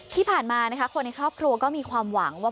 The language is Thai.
ที่ผ่านมานะคะคนในครอบครัวก็มีความหวังว่า